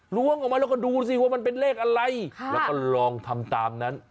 ล้วงออกมาแล้วก็ดูสิว่ามันเป็นเลขอะไรแล้วก็ลองทำตามนั้น